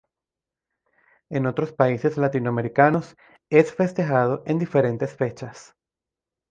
En otros países latinoamericanos es festejado en diferentes fechas.